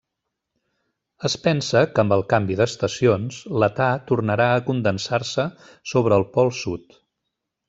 Es pensa que amb el canvi d'estacions, l'età tornarà a condensar-se sobre el pol sud.